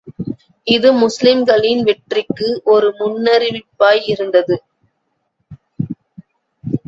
இது முஸ்லிம்களின் வெற்றிக்கு, ஒரு முன்னறிவிப்பாய் இருந்தது.